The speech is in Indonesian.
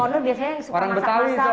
mpok nur biasanya yang suka masak masak